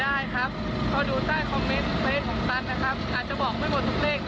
ได้ครับเขาดูใต้คอมเมนต์เวชของตันนะครับ